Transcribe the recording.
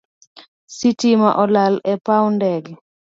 Stima olal e paw ndege